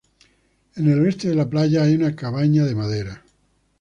En el oeste de la playa hay una cabaña de madera.